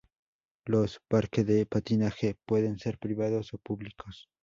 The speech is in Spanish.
Los "Parque de patinaje" pueden ser privados o públicos.